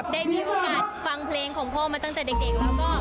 ได้มีโอกาสฟังเพลงของพ่อมาตั้งแต่เด็กแล้วก็